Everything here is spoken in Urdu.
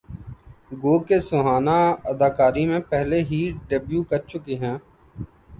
گوکہ سہانا اداکاری میں پہلے ہی ڈیبیو کرچکی ہیں